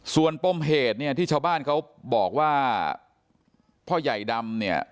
ส่วนปมเหตุเนี่ยที่ชาวบ้านเขาบอกว่าพ่อใหญ่ดำเนี่ย